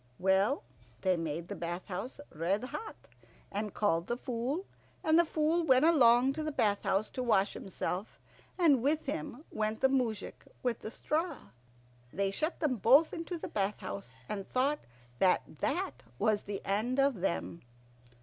Well, they made the bath house red hot, and called the Fool, and the Fool went along to the bath house to wash himself, and with him went the moujik with the straw. They shut them both into the bath house, and thought that that was the end of them.